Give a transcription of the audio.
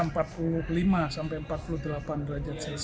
nah sampai empat puluh delapan derajat celcius